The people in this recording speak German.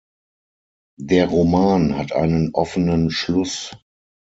Der Roman hat einen offenen Schluss.